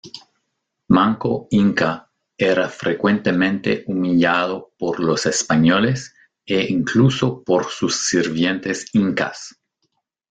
Manco Inca era frecuentemente humillado por los españoles e incluso por sus sirvientes incas.